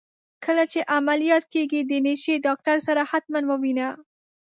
کله چي عمليات کيږې د نشې ډاکتر سره حتما ووينه.